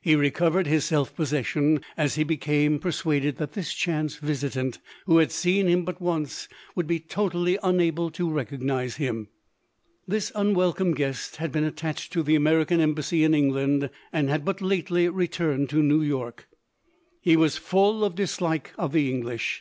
He recovered his self possession as he became per suaded that this chance visitant, who had seen him but once, would be totally unable to recog nize him. This unwelcome guest had been attached to the American embassy in England, and had but lately returned to New York. He was full of dislike of the English.